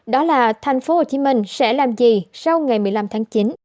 đó là thành phố hồ chí minh sẽ làm gì sau ngày một mươi năm tháng chín